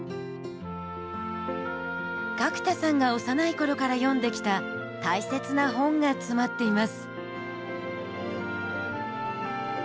角田さんが幼い頃から読んできた大切な本が詰まっています。